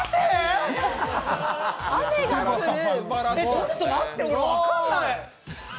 ちょっと待って、俺、わかんない。